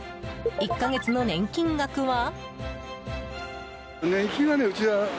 １か月の年金額は？